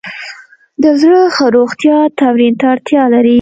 د زړه ښه روغتیا تمرین ته اړتیا لري.